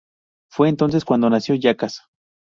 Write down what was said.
Fue entonces cuando nació Jackass.